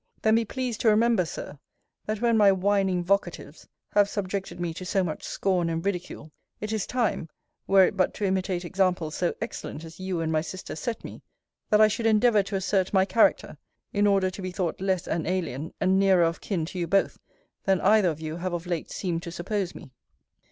Then be pleased to remember, Sir, that when my whining vocatives have subjected me to so much scorn and ridicule, it is time, were it but to imitate examples so excellent as you and my sister set me, that I should endeavour to assert my character, in order to be thought less an alien, and nearer of kin to you both, than either of you have of late seemed to suppose me.